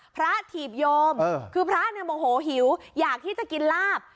พระถีบโยมคือพระหิวอยากที่จะกินลาบ